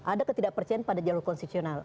ada ketidakpercayaan pada jalur konstitusional